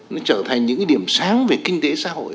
nó trở thành những cái điểm sáng về kinh tế xã hội